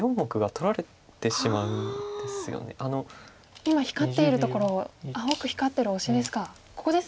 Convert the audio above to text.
今光ってるところを青く光ってるオシですか。